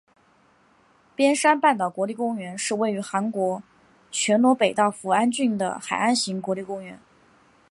边山半岛国立公园是位于韩国全罗北道扶安郡的海岸型国立公园。